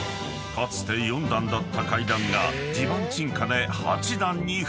かつて４段だった階段が地盤沈下で８段に増えた］